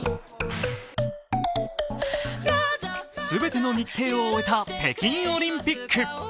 全ての日程を終えた北京オリンピック。